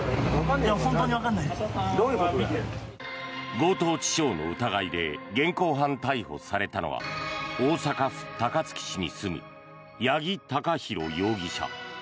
強盗致傷の疑いで現行犯逮捕されたのは大阪府高槻市に住む八木貴寛容疑者。